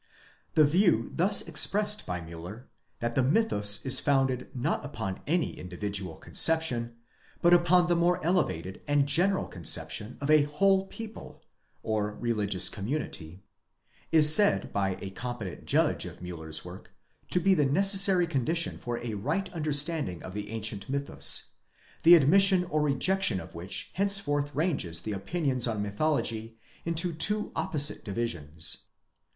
The view thus expressed by Miiller, that the mythus is founded not upon any individual conception, but upon the more elevated and general conception of a whole people (or religious community), is said by a competent judge of Miiller's work to be the necessary condition for a right understanding of the ancient mythus, the admission or rejection of which henceforth ranges the opinions on mythology into two opposite divisions."